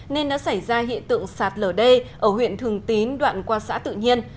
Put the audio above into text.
nên đã xảy ra hiện tượng sạt lở đê ở huyện thường tín đoạn qua xã tự nhiên